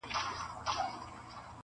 • ورته ګوره چي عطا کوي سر خم کا..